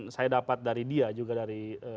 saya dapat dari dia juga dari